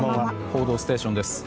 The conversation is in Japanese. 「報道ステーション」です。